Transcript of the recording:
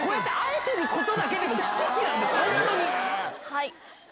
はい！